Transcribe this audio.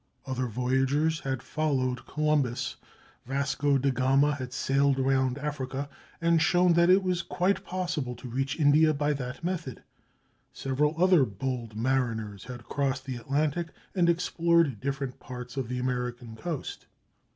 Other voyagers had followed Columbus. Vasco da Gama had sailed around Africa and shown that it was quite possible to reach India by that method. Several other bold mariners had crossed the Atlantic and ex plored different parts of the American coast.